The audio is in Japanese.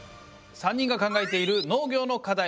３人が考えている農業の課題